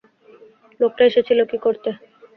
লোকটা এসেছিল কী করতে?